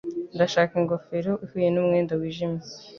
Ndashaka ingofero ihuye numwenda wijimye.